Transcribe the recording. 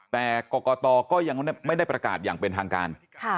แต่กรกตก็ยังไม่ได้ประกาศอย่างเป็นทางการ